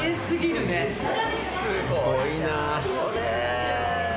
すごいな。